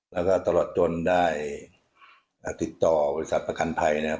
แล้วก็ตลอดจนได้ติดต่อบริษัทประกันภัยนะครับ